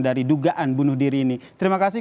dari dugaan bunuh diri ini terima kasih